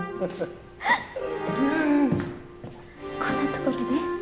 こんなところで？